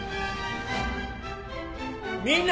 みんな！